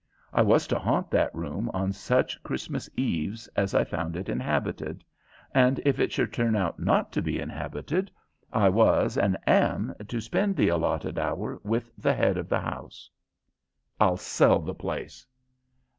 I was to haunt that room on such Christmas Eves as I found it inhabited; and if it should turn out not to be inhabited, I was and am to spend the allotted hour with the head of the house." "I'll sell the place."